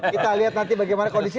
kita lihat nanti bagaimana kondisi